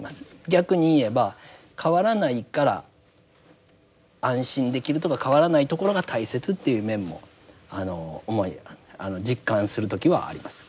逆に言えば変わらないから安心できるとか変わらないところが大切っていう面も実感する時はあります。